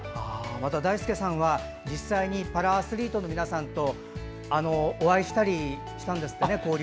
また、だいすけさんは実際にパラアスリートの皆さんとお会いしたりしたんですってね。